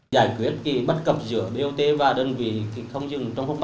giải quyết bất cập giữa bot và đơn vị không dừng trong bảy